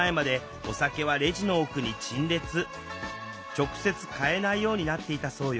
直接買えないようになっていたそうよ。